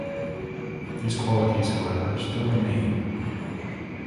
These qualities, however, still remain.